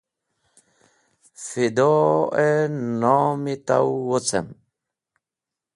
Fido-e nom-e tow wocem.